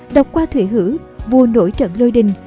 độc qua thủy hữ vua nổi trận lôi đình